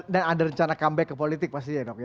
dan ada rencana comeback ke politik pasti ya bang